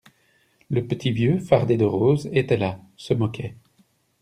Le petit vieux, fardé de rose, était là, se moquait.